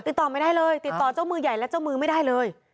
ติดต่อไม่ได้เลยติดต่อเจ้ามือใหญ่และเจ้ามือไม่ได้เลย